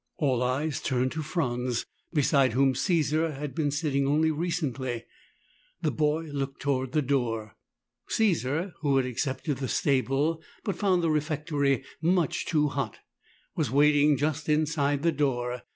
All eyes turned to Franz, beside whom Caesar had been sitting only recently. The boy looked toward the door. Caesar, who had accepted the stable but found the refectory much too hot, was waiting just inside the door.